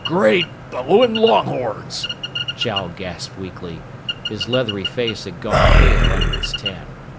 "Great bellowin' longhorns!" Chow gasped weakly. His leathery face had gone pale under its tan.